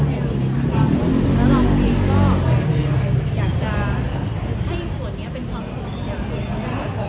นี้มากมากแล้วเราก็อยากจะให้ส่วนเนี้ยเป็นความสุขอย่าง